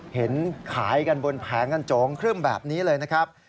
เห็นขายกันบนแผงกันโจงครึ่มแบบนี้เลยนะครับ